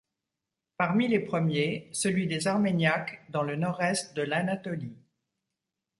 Parmi les premiers, celui des Arméniaques, dans le nord-est de l'Anatolie.